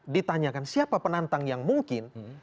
ditanyakan siapa penantang yang mungkin